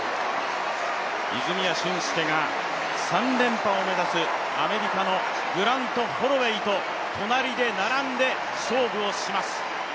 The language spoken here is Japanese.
泉谷駿介が３連覇を目指すアメリカのグラント・ホロウェイと隣で並んで勝負をします。